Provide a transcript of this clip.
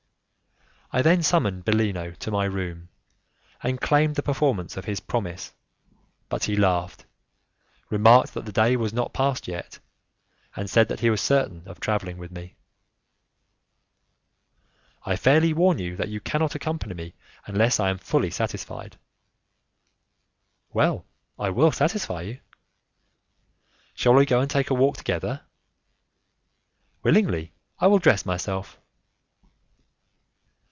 I then summoned Bellino to my room, and claimed the performance of his promise but he laughed, remarked that the day was not passed yet, and said that he was certain of traveling with me. "I fairly warn you that you cannot accompany me unless I am fully satisfied." "Well, I will satisfy you." "Shall we go and take a walk together?" "Willingly; I will dress myself."